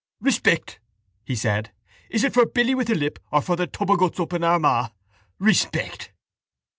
—Respect! he said. Is it for Billy with the lip or for the tub of guts up in Armagh? Respect!